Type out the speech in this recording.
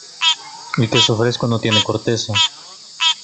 El queso fresco no tiene corteza.